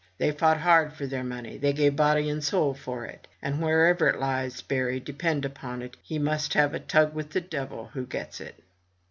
They fought hard for their money; they gave body and soul for it; and wherever it lies buried, depend upon it, he must have a tug with the devil who gets it!"